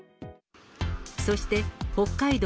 そして北海道